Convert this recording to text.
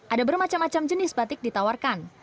ada bermacam macam jenis batik ditawarkan